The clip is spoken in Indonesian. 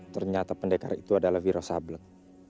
ternyata pendekar itu adalah wiro sablet